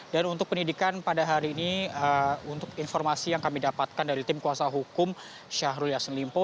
dan untuk penyidikan pada hari ini untuk informasi yang kami dapatkan dari tim kuasa hukum syahrul yassin limpo